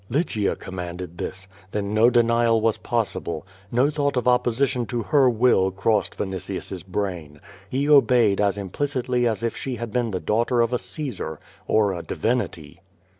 '' Lygia commanded this! Then no denial was possible. No thought of opposition to her will crossed Vinitius's brain. He obeyed as implicitly as if she had been the daughter of a Caesar, or a divinity.